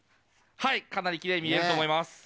はい、かなりきれいに見えると思います。